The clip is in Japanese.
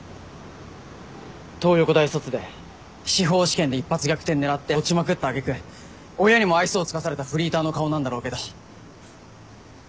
東横大卒で司法試験で一発逆転狙って落ちまくった揚げ句親にも愛想尽かされたフリーターの顔なんだろうけど。